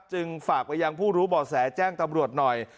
จึงฝากไปยังผู้รู้บ่อแสแจ้งตำรวจหน่อย